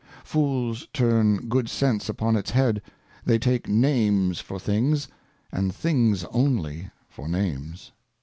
Fools turn Good Sense upon its Head, they take Names for Things, and Things only for Names.